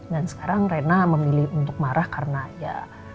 dan sekarang reina memilih untuk marah karena ya